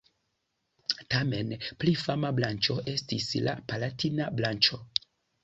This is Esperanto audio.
Tamen pli fama branĉo estis la palatina branĉo.